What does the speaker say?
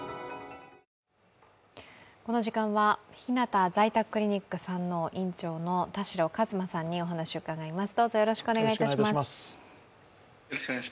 この時間は、ひなた在宅クリニック山王院長の田代和馬さんにお話を伺います。